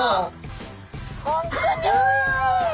本当においしい！